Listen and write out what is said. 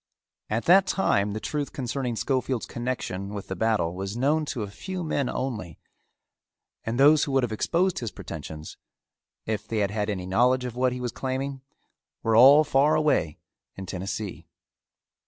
At that time the truth concerning Schofield's connection with the battle was known to a few men only and those who would have exposed his pretensions, if they had had any knowledge of what he was claiming, were all far away in Tennessee.